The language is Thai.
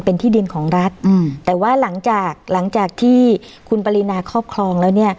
เป็นที่ดินของรัฐแต่ว่าหลังจากหลังจากที่คุณปรินาครอบครองแล้วเนี่ย